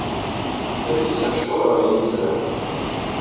Adlis-a mechuṛ ɣer yimezrawen.